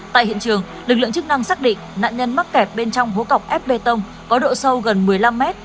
tại hiện trường lực lượng chức năng xác định nạn nhân mắc kẹt bên trong hố cọc ép bê tông có độ sâu gần một mươi năm m